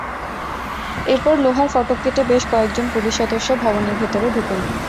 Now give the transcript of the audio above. এরপর লোহার ফটক কেটে বেশ কয়েকজন পুলিশ সদস্য ভবনের ভেতরে ঢোকেন।